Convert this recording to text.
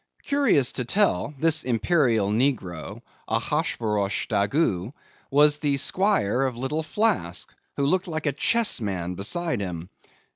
Curious to tell, this imperial negro, Ahasuerus Daggoo, was the Squire of little Flask, who looked like a chess man beside him.